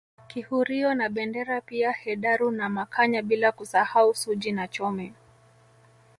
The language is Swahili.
Kihurio na Bendera pia Hedaru na Makanya bila kusahau Suji na Chome